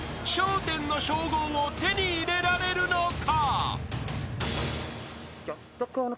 １０の称号を手に入れられるのか？］